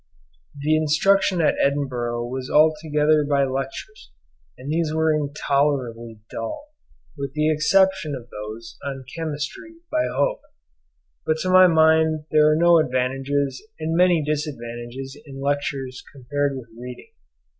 The instruction at Edinburgh was altogether by lectures, and these were intolerably dull, with the exception of those on chemistry by Hope; but to my mind there are no advantages and many disadvantages in lectures compared with reading.